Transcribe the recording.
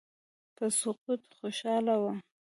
په سقوط خوشاله وه.